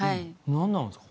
なんなんですか？